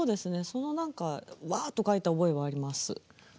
その何かわっと書いた覚えはあります。